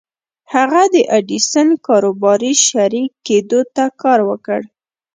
هغه د ايډېسن کاروباري شريک کېدو ته کار وکړ.